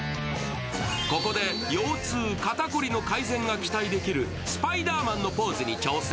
ここで腰痛・肩凝りの改善が期待できるスパイダーマンのポーズに挑戦。